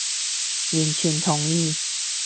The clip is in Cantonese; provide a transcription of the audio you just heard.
完全同意